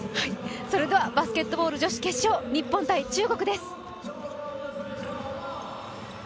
それではバスケットボール女子決勝、日本×中国です。